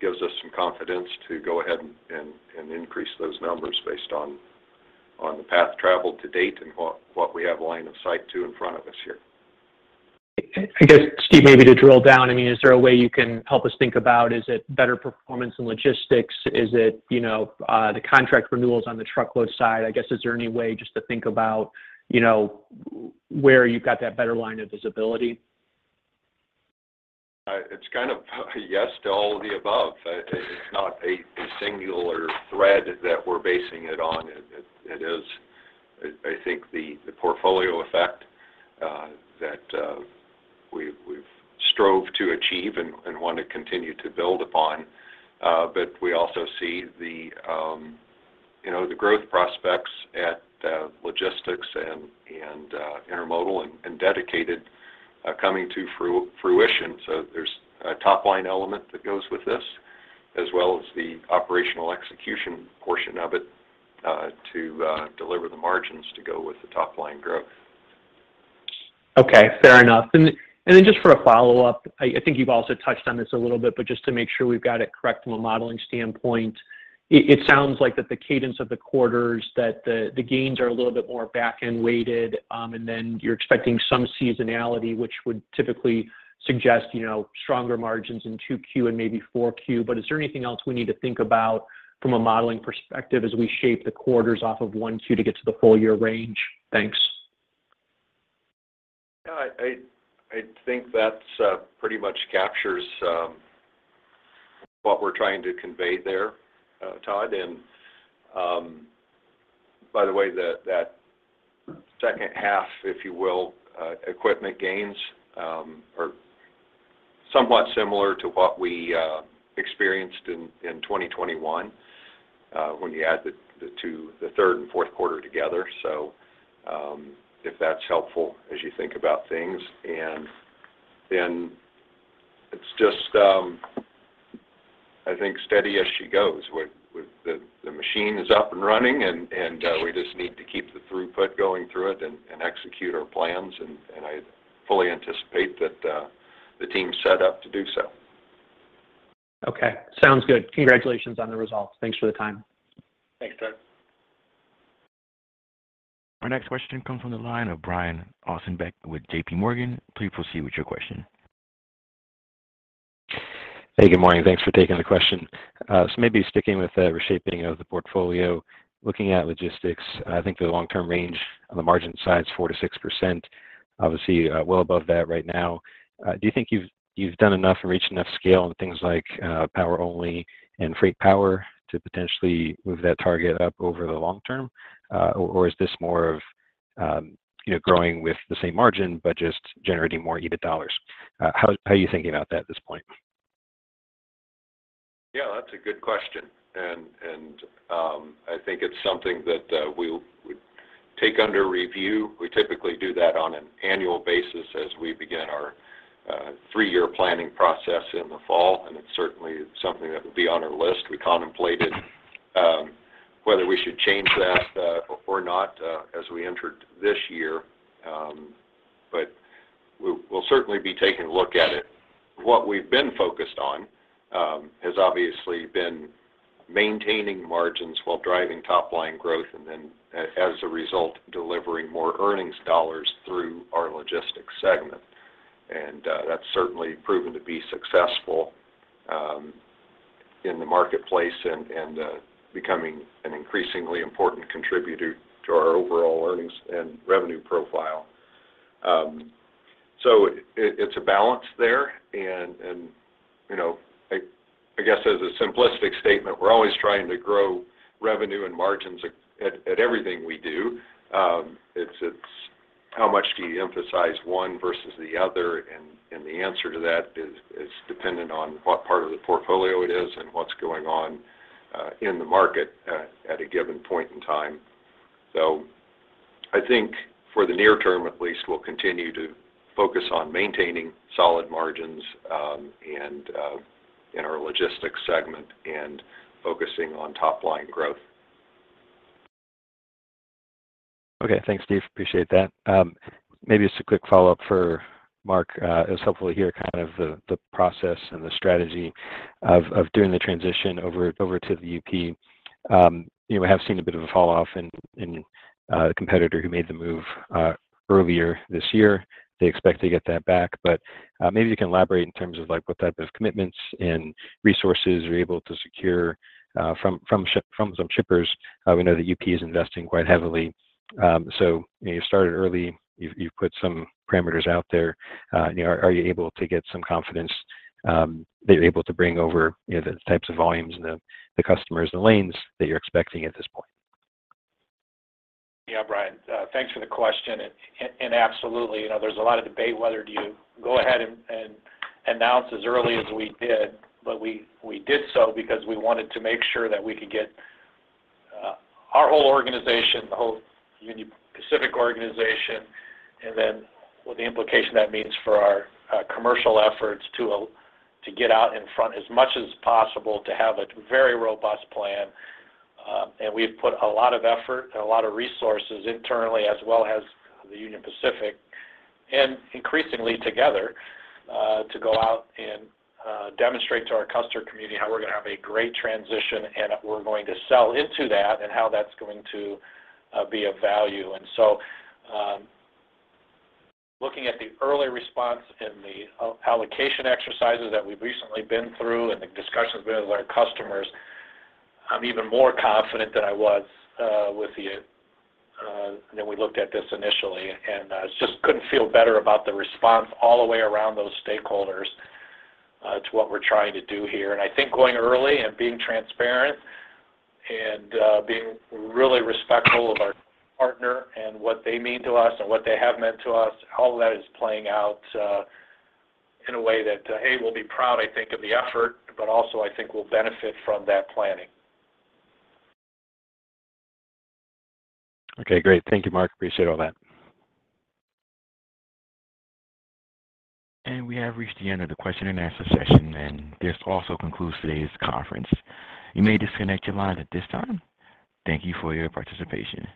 gives us some confidence to go ahead and increase those numbers based on the path traveled to date and what we have line of sight to in front of us here. I guess, Steve, maybe to drill down. I mean, is there a way you can help us think about is it better performance in Logistics? Is it, you know, the contract renewals on the Truckload side? I guess, is there any way just to think about, you know, where you've got that better line of visibility? It's kind of yes to all of the above. It's not a singular thread that we're basing it on. It is, I think the portfolio effect that we've strove to achieve and want to continue to build upon. We also see the, you know, the growth prospects at Logistics and Intermodal and Dedicated coming to fruition. There's a top-line element that goes with this, as well as the operational execution portion of it to deliver the margins to go with the top-line growth. Okay. Fair enough. Then just for a follow-up, I think you've also touched on this a little bit, but just to make sure we've got it correct from a modeling standpoint. It sounds like the cadence of the quarters, the gains are a little bit more back-end weighted, and then you're expecting some seasonality, which would typically suggest, you know, stronger margins in 2Q and maybe 4Q. But is there anything else we need to think about from a modeling perspective as we shape the quarters off of 1Q to get to the full year range? Thanks. I think that's pretty much captures what we're trying to convey there, Todd. By the way, that second half, if you will, equipment gains are somewhat similar to what we experienced in 2021 when you add the two, the third and fourth quarter together. If that's helpful as you think about things. Then it's just, I think steady as she goes. With the machine is up and running, and we just need to keep the throughput going through it and execute our plans. I fully anticipate that the team's set up to do so. Okay. Sounds good. Congratulations on the results. Thanks for the time. Thanks, Todd. Our next question comes from the line of Brian Ossenbeck with JPMorgan. Please proceed with your question. Hey, good morning. Thanks for taking the question. So maybe sticking with the reshaping of the portfolio, looking at Logistics, I think the long-term range on the margin side is 4%-6%, obviously, well above that right now. Do you think you've done enough to reach enough scale on things like Power Only and FreightPower to potentially move that target up over the long term? Or is this more of, you know, growing with the same margin but just generating more EBIT dollars? How are you thinking about that at this point? Yeah, that's a good question. I think it's something that we'll take under review. We typically do that on an annual basis as we begin our three-year planning process in the fall, and it's certainly something that will be on our list. We contemplated whether we should change that or not as we entered this year. We'll certainly be taking a look at it. What we've been focused on has obviously been maintaining margins while driving top line growth, and then as a result, delivering more earnings dollars through our Logistics segment. That's certainly proven to be successful in the marketplace and becoming an increasingly important contributor to our overall earnings and revenue profile. It's a balance there. You know, I guess as a simplistic statement, we're always trying to grow revenue and margins at everything we do. It's how much do you emphasize one versus the other? The answer to that is dependent on what part of the portfolio it is and what's going on in the market at a given point in time. I think for the near term, at least, we'll continue to focus on maintaining solid margins and in our Logistics segment and focusing on top-line growth. Okay. Thanks, Steve. Appreciate that. Maybe just a quick follow-up for Mark. It was helpful to hear kind of the process and the strategy of doing the transition over to the UP. You know, we have seen a bit of a falloff in the competitor who made the move earlier this year. They expect to get that back. Maybe you can elaborate in terms of like what type of commitments and resources you're able to secure from some shippers. We know the UP is investing quite heavily. You know, you started early, you've put some parameters out there. You know, are you able to get some confidence that you're able to bring over, you know, the types of volumes and the customers and the lanes that you're expecting at this point? Yeah, Brian. Thanks for the question. Absolutely, you know, there's a lot of debate whether do you go ahead and announce as early as we did. We did so because we wanted to make sure that we could get our whole organization, the whole Union Pacific organization, and then what the implication that means for our commercial efforts to get out in front as much as possible to have a very robust plan. We've put a lot of effort and a lot of resources internally, as well as the Union Pacific, and increasingly together, to go out and demonstrate to our customer community how we're gonna have a great transition, and we're going to sell into that and how that's going to be of value. Looking at the early response and the allocation exercises that we've recently been through and the discussions we had with our customers, I'm even more confident than I was with the when we looked at this initially. Just couldn't feel better about the response all the way around those stakeholders to what we're trying to do here. I think going early and being transparent and being really respectful of our partner and what they mean to us and what they have meant to us, all that is playing out in a way that, hey, we'll be proud, I think, of the effort, but also I think we'll benefit from that planning. Okay, great. Thank you, Mark. Appreciate all that. We have reached the end of the question and answer session, and this also concludes today's conference. You may disconnect your lines at this time. Thank you for your participation.